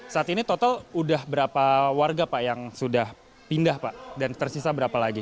saat ini total sudah berapa warga pak yang sudah pindah pak dan tersisa berapa lagi